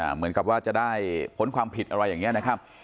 เหมือนกับว่าจะได้พ้นความผิดอะไรอย่างนี้นะครับ